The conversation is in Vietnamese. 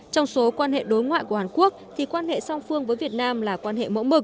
trong số quan hệ đối ngoại của hàn quốc thì quan hệ song phương với việt nam là quan hệ mẫu mực